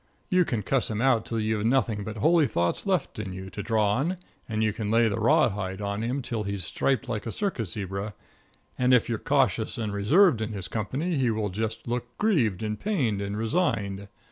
You can cuss him out till you've nothing but holy thoughts left in you to draw on, and you can lay the rawhide on him till he's striped like a circus zebra, and if you're cautious and reserved in his company he will just look grieved and pained and resigned.